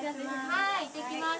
はい「行ってきます」。